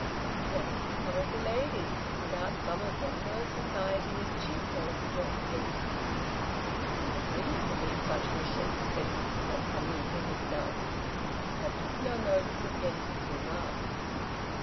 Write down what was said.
"What has become of the ladies? Without some of them no society is cheerful," observed Genji. "Who can there be to meet such wishes?" said the Ki no Kami to himself, but took no notice of Genji's remark.